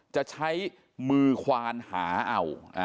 จะใช้มือควานหาเอา